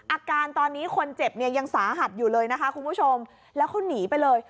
อาการตอนนี้คนเจ็บเนี่ยยังสาหัสอยู่เลยนะคะคุณผู้ชมแล้วเขาหนีไปเลย